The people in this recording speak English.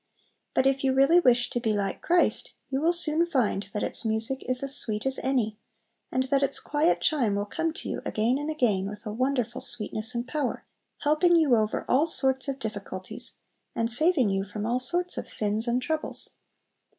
But if you really wish to be like Christ, you will soon find that its music is as sweet as any, and that its quiet chime will come to you again and again with a wonderful sweetness and power, helping you over all sorts of difficulties, and saving you from all sorts of sins and troubles.